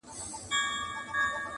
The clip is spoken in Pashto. چي مو ښارته ده راغلې یوه ښکلې؛